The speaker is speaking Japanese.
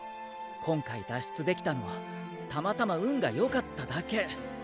今回脱出できたのはたまたま運がよかっただけ。